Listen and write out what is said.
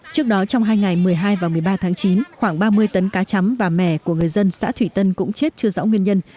trước đó trong hai ngày một mươi hai và một mươi ba tháng chín khoảng ba mươi tấn cá chấm và mẻ của người dân xã thủy tân cũng chết chưa rõ nguyên nhân